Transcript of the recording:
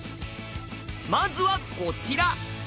まずはこちら。